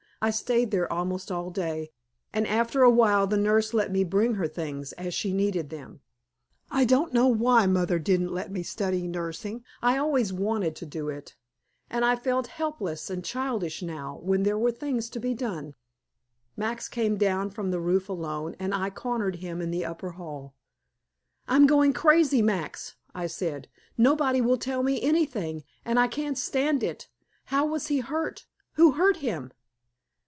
I stayed there almost all day, and after a while the nurse let me bring her things as she needed them. I don't know why mother didn't let me study nursing I always wanted to do it. And I felt helpless and childish now, when there were things to be done. Max came down from the roof alone, and I cornered him in the upper hall. "I'm going crazy, Max," I said. "Nobody will tell me anything, and I can't stand it. How was he hurt? Who hurt him?"